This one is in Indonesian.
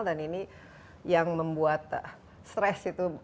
dan ini yang membuat stress itu